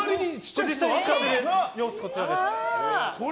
実際に使っている様子こちらです。